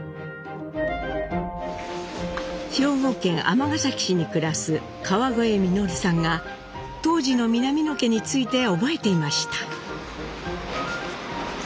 兵庫県尼崎市に暮らす河越稔さんが当時の南野家について覚えていました。